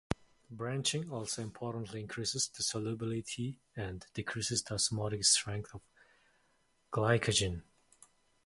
Branching also importantly increases the solubility and decreases the osmotic strength of glycogen.